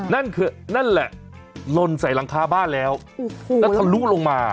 นั่นคือนั่นแหละลนใส่หลังคาบ้านแล้วแล้วทะลุลงมา